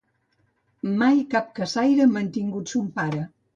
Mai cap caçaire ha mantingut son pare.